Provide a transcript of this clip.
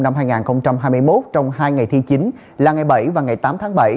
năm hai nghìn hai mươi một trong hai ngày thi chính là ngày bảy và ngày tám tháng bảy